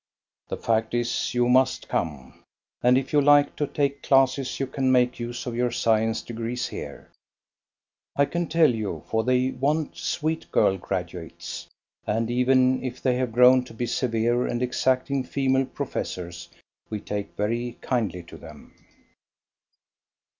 The fact is, you must come; and if you like to take classes, you can make use of your science degrees here, I can tell you, for they want "sweet girl graduates;" and even if they have grown to be severe and exacting female professors, we take very kindly to them.